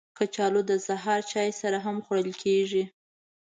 کچالو د سهار چای سره هم خوړل کېږي